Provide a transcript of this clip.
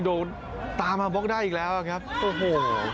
โดนตามมาบล็อกได้อีกแล้วครับโอ้โห